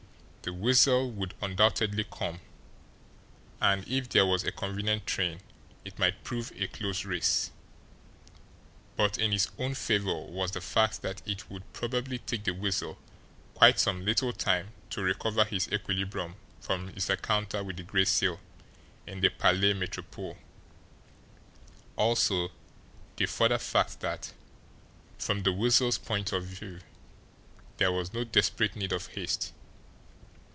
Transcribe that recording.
The Weasel would undoubtedly come, and if there was a convenient train it might prove a close race but in his own favour was the fact that it would probably take the Weasel quite some little time to recover his equilibrium from his encounter with the Gray Seal in the Palais Metropole, also the further fact that, from the Weasel's viewpoint, there was no desperate need of haste.